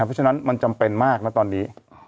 เพราะฉะนั้นมันจำเป็นมากนะตอนนี้